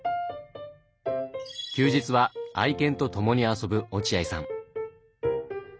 休日は愛犬と共に遊ぶ落合さん。